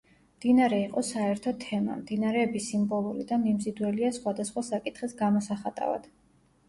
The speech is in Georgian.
მდინარე იყო საერთო თემა: მდინარეები სიმბოლური და მიმზიდველია სხვადასხვა საკითხის გამოსახატავად.